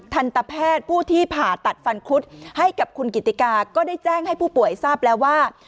ทันตแพทย์ผู้ที่ผ่าตัดฟันครุฑให้กับคุณกิติกาก็ได้แจ้งให้ผู้ป่วยทราบแล้วว่า